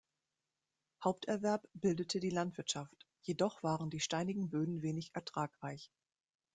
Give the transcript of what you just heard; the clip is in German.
Haupterwerb bildete die Landwirtschaft, jedoch waren die steinigen Böden wenig ertragreich.